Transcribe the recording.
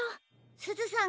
すずさん